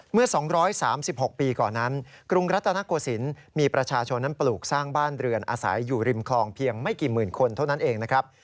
เมื่อ๒๓๖ปีก่อนนั้นกรุงรัตนโกศิลป์มีประชาชนนั้นปลูกสร้างบ้านเรือนอาศัยอยู่ริมคลองเพียงไม่กี่หมื่นคนเท่านั้นเองนะครับ